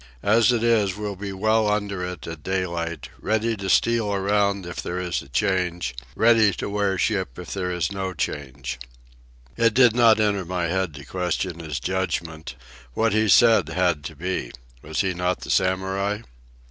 As it is, we'll be well under it at daylight, ready to steal around if there is a change, ready to wear ship if there is no change." It did not enter my head to question his judgment. What he said had to be. Was he not the Samurai?